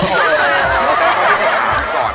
ผมต้องถามก่อน